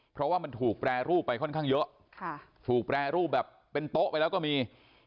เพราะว่ามันถูกแปรรูปไปค่อนข้างเยอะถูกแปรรูปแบบเป็นโต๊ะไปแล้วก็มี